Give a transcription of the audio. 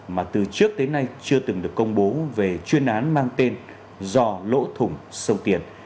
mà từ trước đến nay chưa từng được công bố về chuyên án mang tên do lỗ thủng sâu tiền